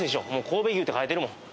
神戸牛って書いてるもん。